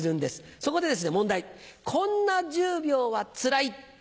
そこで問題「こんな１０秒はつらい」。